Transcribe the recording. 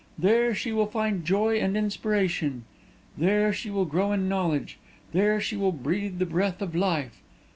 There she will find joy and inspiration; there she will grow in knowledge; there she will breathe the breath of life!